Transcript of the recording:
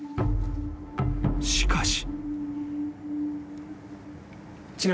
［しかし］